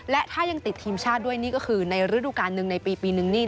และถ้ายังติดทีมชาติด้วยนี่ก็คือในฤดูการหนึ่งในปีนึงนี่